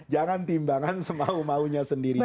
jangan timbangan semau maunya sendiri